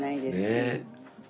ねえ。